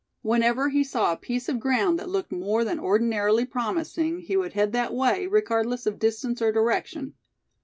Whenever he saw a piece of ground that looked more than ordinarily promising he would head that way, regardless of distance or direction.